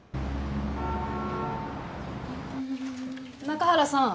中原さん。